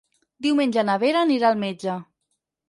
Diumenge na Vera anirà al metge.